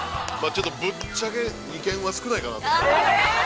◆ちょっとぶっちゃけ、２軒は少ないかなと。